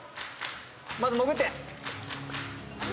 まず潜って。